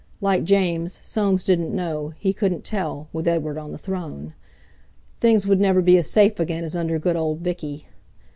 Like James, Soames didn't know, he couldn't tell—with Edward on the throne! Things would never be as safe again as under good old Viccy!